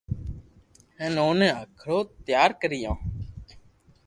ھين اوني ھکرو تيار ڪريو